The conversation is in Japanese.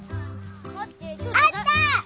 あった！